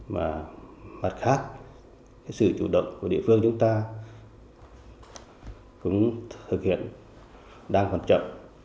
mà mặt khác cái sự chủ động của địa phương chúng ta cũng thực hiện đang còn chậm